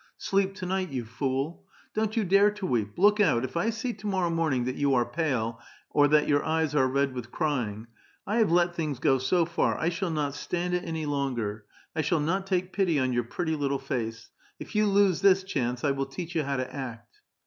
Sleep to night, you fool! Don't you dare to weep ! Look out, if 1 see to morrow morning that you are pale, or that your eyes are red with crying. 1 have let things go so far ; I shall not stand it any longer. I shall not take pity ou your pretty little face. If you lose this chance, 1 will teach you how to act."